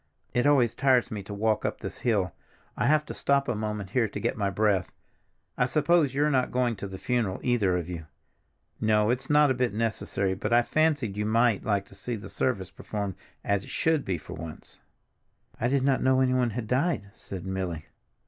It always tires me to walk up this hill; I have to stop a moment here to get my breath. I suppose you're not going to the funeral, either of you? No, it's not a bit necessary, but I fancied you might like to see the service performed as it should be for once." "I did not know anyone had died," said Milly.